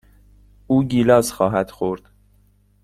او گیلاس خواهد خورد.